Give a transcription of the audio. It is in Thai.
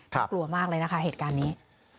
กลัวมากเลยนะคะเหตุการณ์นี้